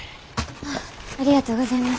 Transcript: ありがとうございます。